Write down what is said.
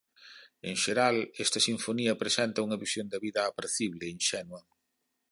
En xeral esta sinfonía presenta unha visión da vida apracible e inxenua.